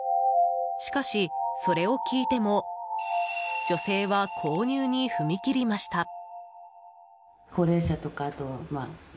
しかし、それを聞いても女性は購入に踏み切りました。